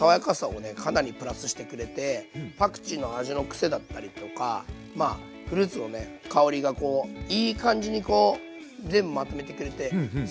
かなりプラスしてくれてパクチーの味のクセだったりとかまあフルーツの香りがこういい感じにこう全部まとめてくれてすごいおすすめですね。